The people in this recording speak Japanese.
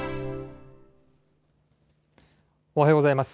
おはようございます。